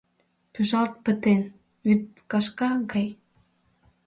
Пӱжалт пытен — вӱдкашка гай.